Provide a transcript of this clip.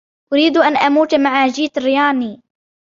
أريد أن أموت مع جيتر ياني.